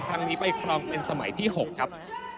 ครั้งนี้ไปครองเป็นสมัยที่๖ครับ